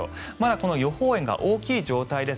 この予報円が大きい状態です